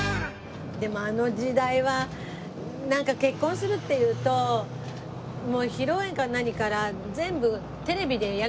でもあの時代はなんか結婚するっていうともう披露宴から何から全部テレビで。